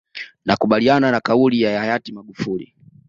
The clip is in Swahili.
Nakubaliana na kauli ya hayati Magufuli